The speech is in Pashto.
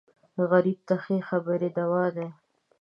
غریب ته ښې خبرې دوا دي